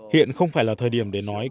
hiện không phải là thời điểm để nói